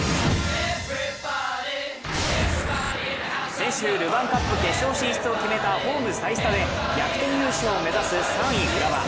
先週、ルヴァンカップ決勝進出を決めたホーム・埼スタで逆転優勝を目指す３位・浦和。